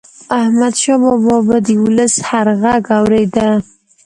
احمدشاه بابا به د ولس هر ږغ اورېده.